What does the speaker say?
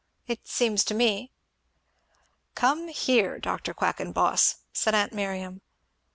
It seems so to me!" "Come here, Dr. Quackenboss," said aunt Miriam.